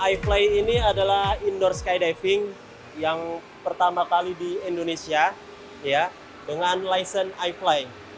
ifly ini adalah indoor skydiving yang pertama kali di indonesia dengan lisen ifly